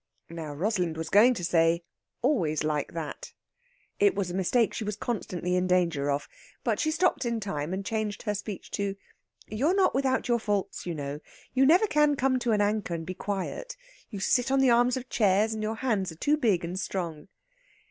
Now, Rosalind was going to say "always like that"; it was a mistake she was constantly in danger of. But she stopped in time, and changed her speech to "You're not without your faults, you know! You never can come to an anchor, and be quiet. You sit on the arms of chairs, and your hands are too big and strong.